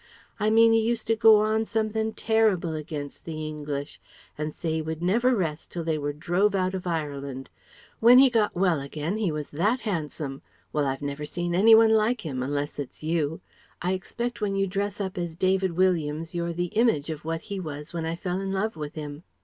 I mean he used to go on something terrible against the English, and say he would never rest till they were drove out of Ireland. When he got well again he was that handsome well I've never seen any one like him, unless it's you. I expect when you dress up as David Williams you're the image of what he was when I fell in love with him.